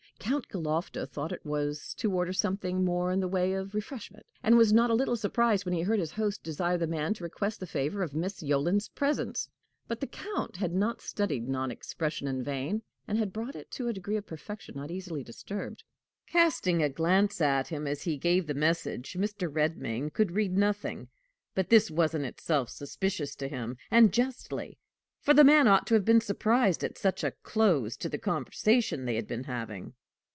Count Galofta thought it was to order something more in the way of "refreshment," and was not a little surprised when he heard his host desire the man to request the favor of Miss Yolland's presence. But the Count had not studied non expression in vain, and had brought it to a degree of perfection not easily disturbed. Casting a glance at him as he gave the message, Mr. Redmain could read nothing; but this was in itself suspicious to him and justly, for the man ought to have been surprised at such a close to the conversation they had been having.